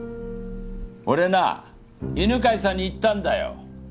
俺はな犬飼さんに言ったんだよ。